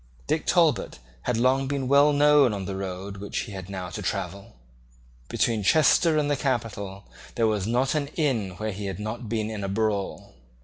Dick Talbot had long been well known on the road which he had now to travel. Between Chester and the capital there was not an inn where he had not been in a brawl.